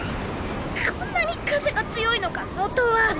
こんなに風が強いのか外は！